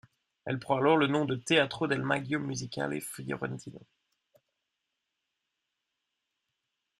Elle prend alors le nom de Teatro del Maggio Musicale Fiorentino.